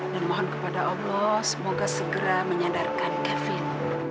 dan mohon kepada allah semoga segera menyadarkan kevin